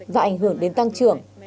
và ảnh hưởng đến tăng trưởng